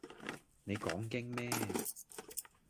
你講經咩？